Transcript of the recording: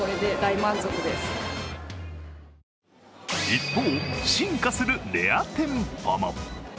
一方、進化するレア店舗も。